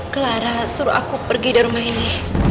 clara suruh aku pergi dari rumah ini